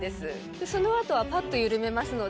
でその後はぱっと緩めますので。